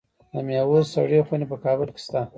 د میوو سړې خونې په کابل کې شته.